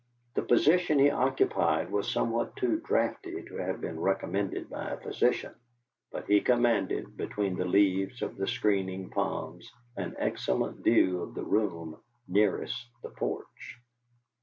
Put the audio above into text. The position he occupied was somewhat too draughty to have been recommended by a physician, but he commanded, between the leaves of the screening palms, an excellent view of the room nearest the porch.